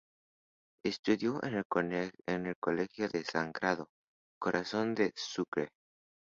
Estudió en el Colegio del Sagrado Corazón de Sucre.